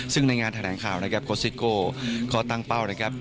ซึ่งในงานแทนคาวนะครับโกซิโก่คอตังปัวนะครับ